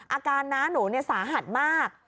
อาการน้าหนูสาหัสมาก